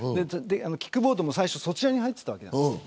キックボードも最初そちらに入ってました。